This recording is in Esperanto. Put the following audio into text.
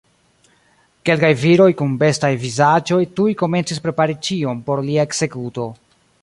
Kelkaj viroj kun bestaj vizaĝoj tuj komencis prepari ĉion por lia ekzekuto.